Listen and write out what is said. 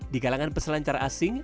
di kalangan peselancar asing